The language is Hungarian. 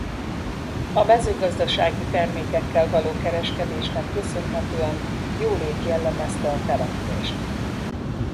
A mezőgazdasági termékekkel való kereskedésnek köszönhetően jólét jellemezte a települést.